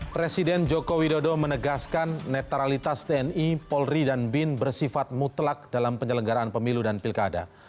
presiden joko widodo menegaskan netralitas tni polri dan bin bersifat mutlak dalam penyelenggaraan pemilu dan pilkada